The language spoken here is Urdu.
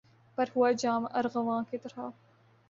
پر ہوا جام ارغواں کی طرح